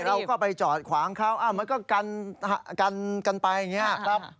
เราก็ไปจอดขวางเขามันก็กันกันไปอย่างนี้ครับ